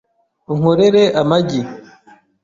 Unkorere amagi .